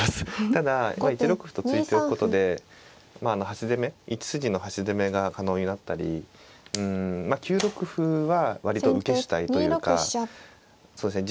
ただ１六歩と突いておくことで端攻め１筋の端攻めが可能になったりうんまあ９六歩は割と受け主体というかそうですね。